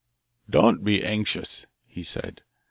'Don't be anxious,' he said.